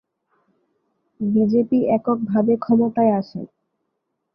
BJP এককভাবে ক্ষমতায় আসেন।